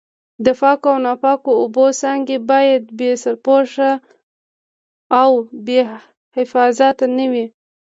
د پاکو او ناپاکو اوبو څاګانې باید بې سرپوښه او بې حفاظته نه وي.